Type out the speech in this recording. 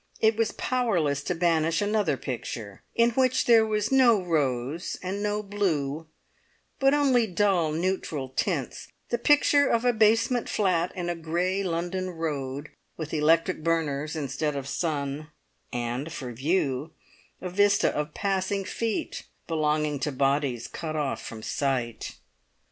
It was powerless to banish another picture, in which there was no rose and no blue, but only dull neutral tints the picture of a basement flat in a grey London road, with electric burners instead of sun, and for view, a vista of passing feet belonging to bodies cut off from sight.